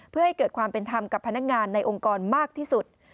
เพื่อให้เกิดความเป็นธรรมกับพนักงานในองค์กรมากที่สุด